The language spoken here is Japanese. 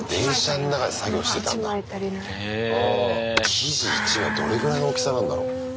生地１枚どれぐらいの大きさなんだろう。